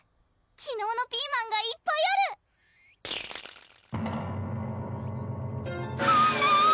昨日のピーマンがいっぱいあるコメ！